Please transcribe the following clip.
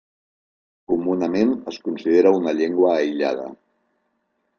Comunament es considera una llengua aïllada.